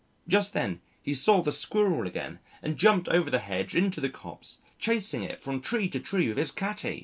Just then, he saw the Squirrel again and jumped over the hedge into the copse, chasing it from tree to tree with his catty.